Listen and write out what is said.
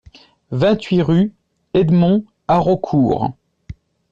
vingt-huit rue Edmond Haraucourt